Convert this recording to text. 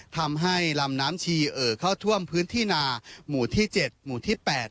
ทำให้ลำน้ำชีเอ่อเข้าท่วมพื้นที่นาหมู่ที่๗หมู่ที่๘